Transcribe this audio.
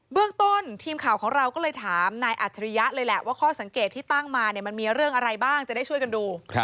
เรื่องต้นทีมข่าวของเราก็เลยถามนายอัจฉริยะเลยแหละว่าข้อสังเกตที่ตั้งมามันมีเรื่องอะไรบ้างจะได้ช่วยกันดู